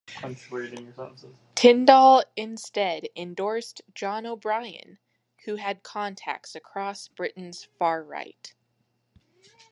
Tyndall instead endorsed John O'Brien, who had contacts across Britain's far-right.